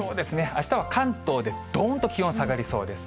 あしたは関東で、どーんと気温下がりそうです。